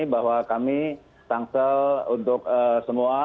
bahwa kami tangsel untuk semua